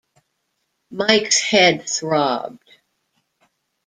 Mike's head throbbed.